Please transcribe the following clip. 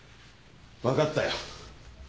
わかったよ。